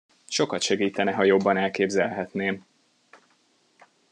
Sokat segítene, ha jobban elképzelhetném.